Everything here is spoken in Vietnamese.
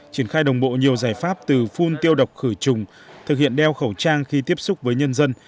triển khai đồng bộ nhiều giải pháp từ phun tiêu độc khử trùng thực hiện đeo khẩu trang khi tiếp xúc với nhân dân